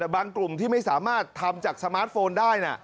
บางกลุ่มที่ไม่สามารถทำจากสมาร์ทโฟนได้